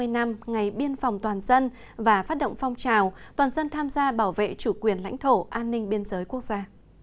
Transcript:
ba mươi năm ngày biên phòng toàn dân và phát động phong trào toàn dân tham gia bảo vệ chủ quyền lãnh thổ an ninh biên giới quốc gia